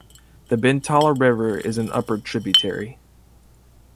The Bentala River is an upper tributary.